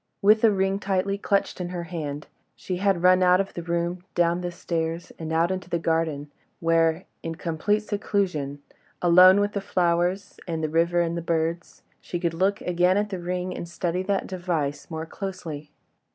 With the ring tightly clutched in her hand, she had run out of the room, down the stairs, and out into the garden, where, in complete seclusion, alone with the flowers, and the river and the birds, she could look again at the ring, and study that device more closely.